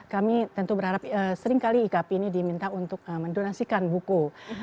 kami tentu berharap seringkali ikp ini diminta untuk mendonasikan buku